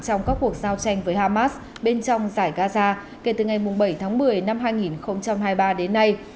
trong các cuộc giao tranh với hamas bên trong giải gaza kể từ ngày bảy tháng một mươi năm hai nghìn hai mươi ba đến nay